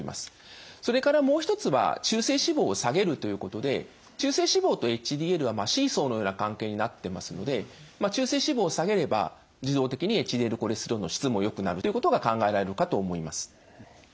それからもう一つは中性脂肪を下げるということで中性脂肪とＨＤＬはシーソーのような関係になってますので中性脂肪を下げれば自動的にＨＤＬコレステロールの質もよくなるということが考えられるかと思います。